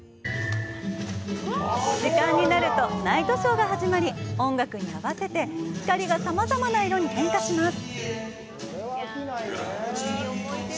時間になるとナイトショーが始まり、音楽に合わせて光がさまざまな色に変化します。